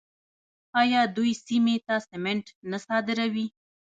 آیا دوی سیمې ته سمنټ نه صادروي؟